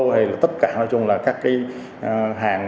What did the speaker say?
hay là tất cả nói chung là các hàng